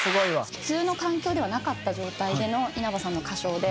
普通の環境ではなかった状態での稲葉さんの歌唱で。